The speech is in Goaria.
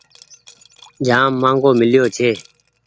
جآم مآنگهو ميليو ڇي۔